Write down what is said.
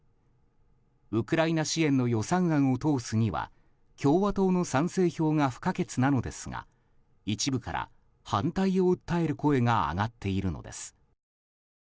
ウクライナ支援の予算案を通すには共和党の賛成票が不可欠なのですが一部から反対を訴える声が上がっているのです。